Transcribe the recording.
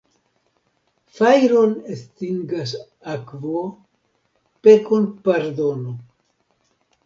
Fajron estingas akvo, pekon pardono.